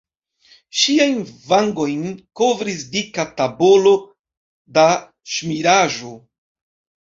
Ŝiajn vangojn kovris dika tabolo da ŝmiraĵo.